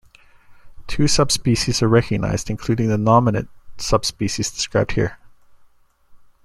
Two subspecies are recognized, including the nominate subspecies described here.